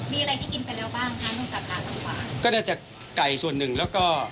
มีอะไรที่กินไปแล้วบ้างคะตรงกับร้านทองกว่าก็น่าจะไก่ส่วนหนึ่งแล้วก็